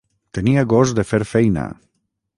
Tenia gos de fer feina.